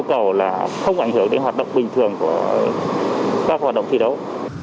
các hoạt động thi đấu